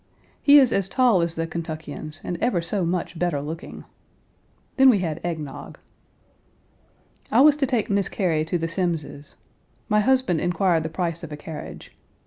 He is as tall as the Kentuckians and ever so much better looking. Then we had egg nog. I was to take Miss Cary to the Semmes's. My husband inquired the price of a carriage.